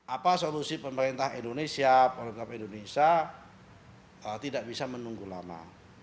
apa solusi pemerintah indonesia pemerintah indonesia tidak bisa menunggu lama